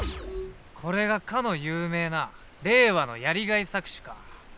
これがかの有名な令和のやりがい搾取か。